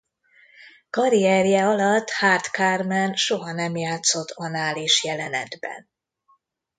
Karrierje alatt Hart Carmen soha nem játszott anális jelenetben.